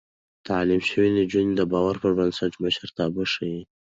تعليم شوې نجونې د باور پر بنسټ مشرتابه ښيي.